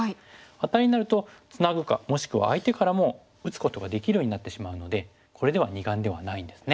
アタリになるとツナぐかもしくは相手からも打つことができるようになってしまうのでこれでは二眼ではないんですね。